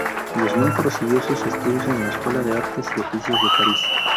Guzmán prosiguió sus estudios en la Escuela de Artes y Oficios de París.